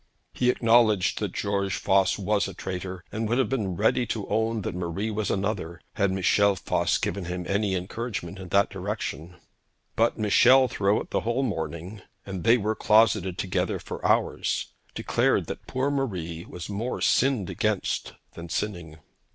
He acknowledged that George Voss was a traitor; and would have been ready to own that Marie was another, had Michel Voss given him any encouragement in that direction. But Michel throughout the whole morning, and they were closeted together for hours, declared that poor Marie was more sinned against than sinning.